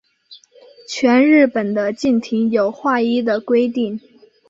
全日本的竞艇有划一的规定。